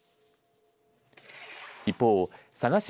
一方、佐賀市